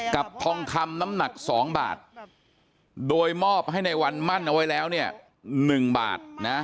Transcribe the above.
ทองคำน้ำหนัก๒บาทโดยมอบให้ในวันมั่นเอาไว้แล้วเนี่ย๑บาทนะ